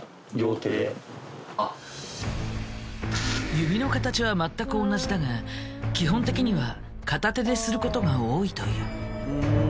指の形は全く同じだが基本的には片手ですることが多いという。